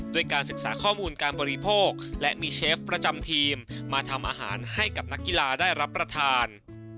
ด้วยการศึกษาข้อมูลการบริโภคและมีเชฟประจำทีมมาทำอาหารให้กับนักกีฬาได้รับประทาน